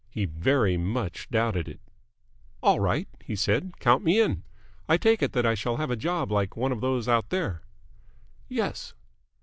He very much doubted it. "All right," he said. "Count me in. I take it that I shall have a job like one of those out there?" "Yes."